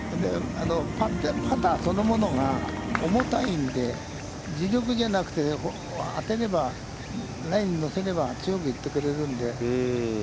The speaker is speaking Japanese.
パターそのものが重たいんで、当てれば、ラインに乗せれば、強く行ってくれるので。